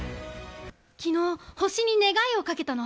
昨日、星に願いをかけたの。